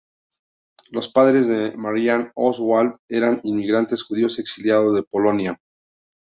Los padres de Marianne Oswald eran inmigrantes judíos exiliados de Polonia.